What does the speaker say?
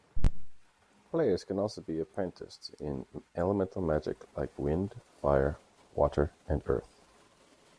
Players can also be apprenticed in elemental magic like wind, fire, water, and earth.